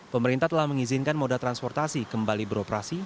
pemerintah telah mengizinkan moda transportasi kembali beroperasi